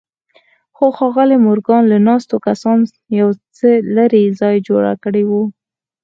خو ښاغلي مورګان له ناستو کسانو يو څه لرې ځای جوړ کړی و.